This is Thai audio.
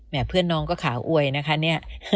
เพื่อนน้องก็ขาอวยนะคะเนี่ย